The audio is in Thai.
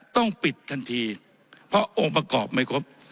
ต้องปิดทันทีเพราะองค์ประกอบไม่ครบ